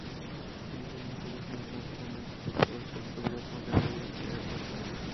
বিজ্ঞাপন প্রদর্শনের ট্রাফিক আনার ক্ষেত্রেও চতুর্থ বৃহত্তম ক্যাটাগরি হচ্ছে অ্যাডাল্ট সাইট।